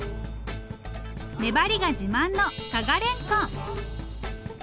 粘りが自慢の加賀れんこん。